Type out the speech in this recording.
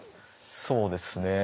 そうですね。